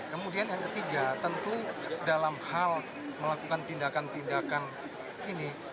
kemudian yang ketiga tentu dalam hal melakukan tindakan tindakan ini